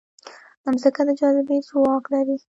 مځکه د جاذبې ځواک لري.